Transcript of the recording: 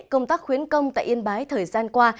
công tác khuyến công tại yên bái thời gian qua